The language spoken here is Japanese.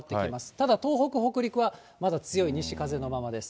ただ、東北、北陸はまだ強い西風のままです。